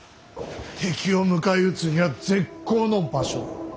敵を迎え撃つには絶好の場所だ。